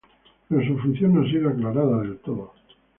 Pero su función no ha sido aclarada del todo.